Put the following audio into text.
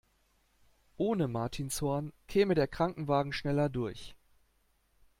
Ohne Martinshorn käme der Krankenwagen schneller durch.